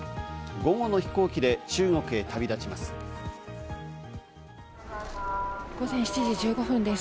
午後の飛行機で中国へ旅立ちます。